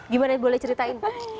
gimana boleh ceritain